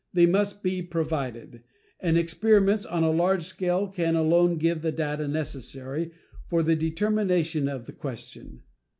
They must be provided, and experiments on a large scale can alone give the data necessary for the determination of the question.